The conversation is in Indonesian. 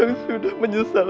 yang sudah menyesal seumur hidup